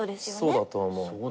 そうだと思う。